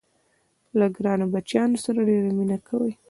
له ګرانو بچیانو سره ډېره مینه کوي.